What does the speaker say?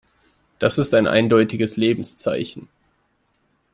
Das ist ein eindeutiges Lebenszeichen.